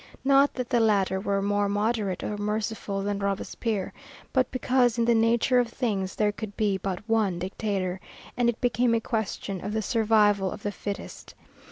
Not that the latter were more moderate or merciful than Robespierre, but because, in the nature of things, there could be but one Dictator, and it became a question of the survival of the fittest.